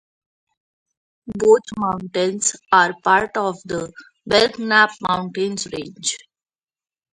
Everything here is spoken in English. Both mountains are part of the Belknap Mountains range.